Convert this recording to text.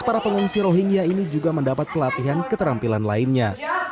para pengungsi rohingya ini juga mendapat pelatihan keterampilan lainnya